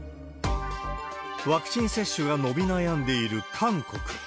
ワクチン接種が伸び悩んでいる韓国。